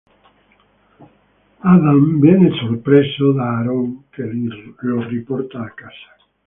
Adam viene sorpreso da Aaron, che lo riporta a casa.